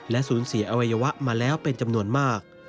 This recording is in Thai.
สูญเสียอวัยวะมาแล้วเป็นจำนวนมาก